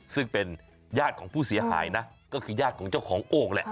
ซึ่งเป็นญาติของผู้เสียหายนะก็คือญาติของเจ้าของโอ่งแหละ